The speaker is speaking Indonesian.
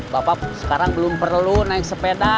bapak sekarang belum perlu naik sepeda